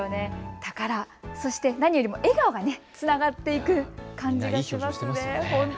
宝、そして何よりも笑顔がつながっていく感じがしますね。